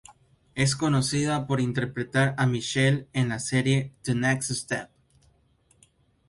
Es conocida por interpretar a Michelle en la serie "The Next Step".